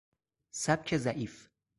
سبک ضعیف